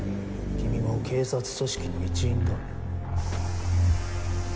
君も警察組織の一員だろ。